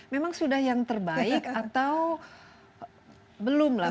memang sudah yang terbaik atau belum lah